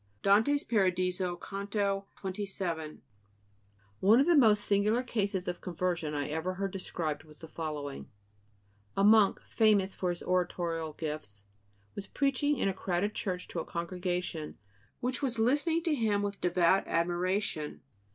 (Dante's Paradiso, Canto XXVII.) One of the most singular cases of conversion I ever heard described was the following: A monk, famous for his oratorical gifts, was preaching in a crowded church to a congregation which was listening to him with devout admiration.